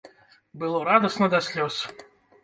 Было радасна да слёз.